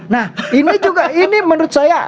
nah ini juga ini menurut saya